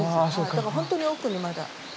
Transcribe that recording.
だからほんとに奥にまだ。